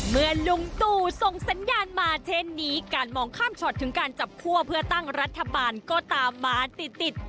เมื่อลุงตู่ส่งสัญญาณมาเช่นนี้การมองข้ามช็อตถึงการจับคั่วเพื่อตั้งรัฐบาลก็ตามมาติดติด